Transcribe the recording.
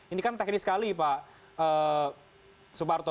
ini kan teknis sekali pak suparto